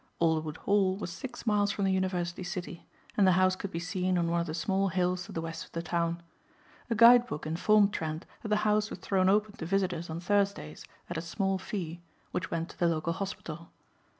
Alderwood Hall was six miles from the university city and the house could be seen on one of the small hills to the west of the town. A guide book informed Trent that the house was thrown open to visitors on Thursdays at a small fee which went to the local hospital.